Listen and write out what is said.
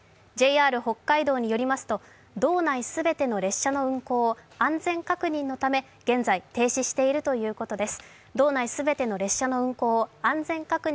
ＪＲ北海道によりますと、道内全ての列車の運行を安全確認のため、現在停止しているということです。